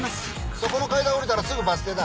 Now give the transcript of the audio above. そこの階段下りたらすぐバス停だ。